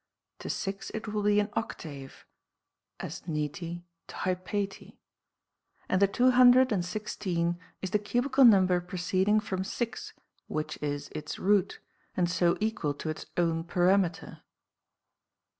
To six it will be an octave, as nete to hypate. And the two hundred and sixteen is the cubical number proceeding from six which is its root, and so equal to its own perimeter.